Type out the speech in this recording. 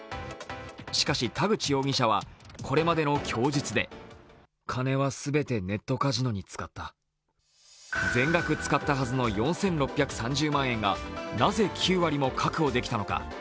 しかし田口容疑者はこれまでの供述で全額使ったはずの４６３０万円がなぜ９割も確保できたのか。